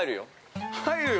◆入るよ。